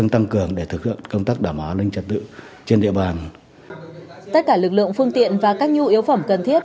tất cả lực lượng phương tiện và các nhu yếu phẩm cần thiết